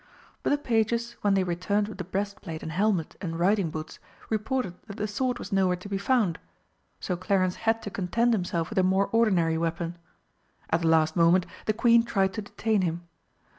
But the pages, when they returned with the breastplate and helmet and riding boots, reported that the sword was nowhere to be found, so Clarence had to content himself with a more ordinary weapon. At the last moment the Queen tried to detain him.